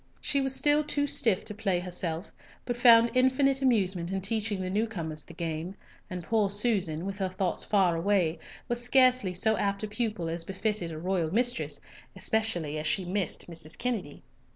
She was still too stiff to play herself, but found infinite amusement in teaching the new comers the game, and poor Susan, with her thoughts far away, was scarcely so apt a pupil as befitted a royal mistress, especially as she missed Mrs. Kennedy.